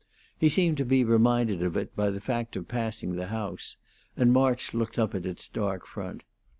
He seemed to be reminded of it by the fact of passing the house, and March looked up at its dark front.